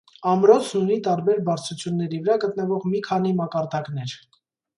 Ամրոցն ունի տարբեր բարձրությունների վրա գտնվող մի քանի մակարդակներ։